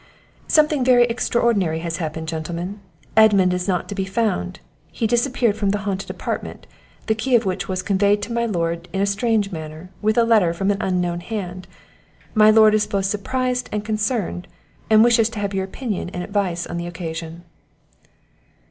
"Something very extraordinary has happened, gentlemen. Edmund is not to be found he disappeared from the haunted apartment, the key of which was conveyed to my lord in a strange manner, with a letter from an unknown hand; my lord is both surprised and concerned, and wishes to have your opinion and advice on the occasion."